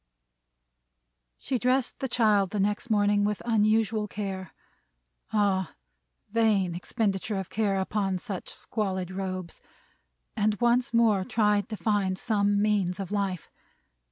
She dressed the child next morning with unusual care ah, vain expenditure of care upon such squalid robes! and once more tried to find some means of life.